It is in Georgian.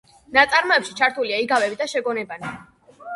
ნაწარმოებში ჩართულია იგავები და შეგონებანი.